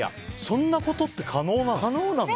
そんなことって可能なの？